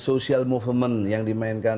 social movement yang dimainkan